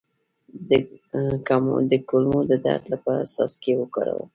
د کولمو د درد لپاره کوم څاڅکي وکاروم؟